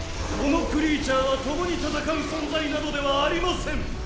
このクリーチャーはともに戦う存在などではありません。